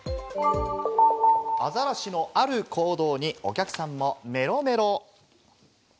アザラシのある行動にお客さんもメロメロ。